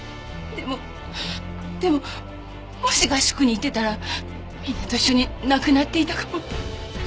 でもでももし合宿に行ってたらみんなと一緒に亡くなっていたかも。